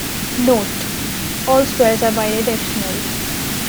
Note: All squares are bidirectional.